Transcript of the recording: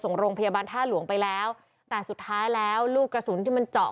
ส่งโรงพยาบาลท่าหลวงไปแล้วแต่สุดท้ายแล้วลูกกระสุนที่มันเจาะ